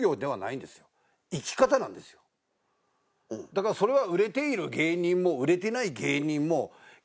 だからそれは。